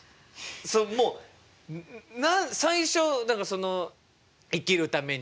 もう最初だからその生きるために。